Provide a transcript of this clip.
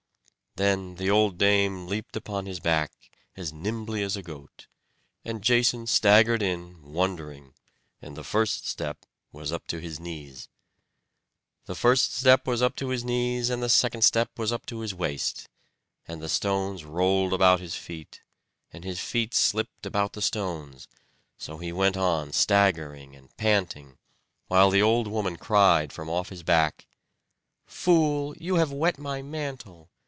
Then the old dame leapt upon his back, as nimbly as a goat; and Jason staggered in, wondering; and the first step was up to his knees. The first step was up to his knees, and the second step was up to his waist; and the stones rolled about his feet, and his feet slipped about the stones; so he went on staggering and panting, while the old woman cried from off his back: "Fool, you have wet my mantle!